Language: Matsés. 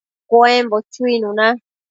cuembo chuinuna